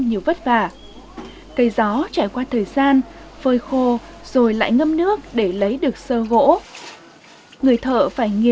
nhiều vất vả cây gió trải qua thời gian phơi khô rồi lại ngâm nước để lấy được sơ gỗ người thợ phải nghi